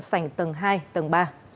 sành tầng hai tầng ba